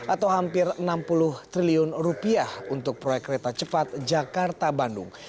atau hampir enam puluh triliun rupiah untuk proyek kereta cepat jakarta bandung